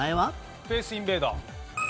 『スペースインベーダー』。